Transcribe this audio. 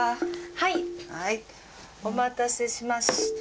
はいお待たせしました。